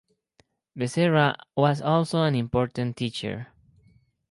Becerra was also an important teacher.